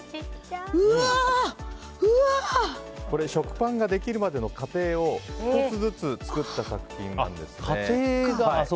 これ、食パンができるまでの過程を１つずつ作った作品なんです。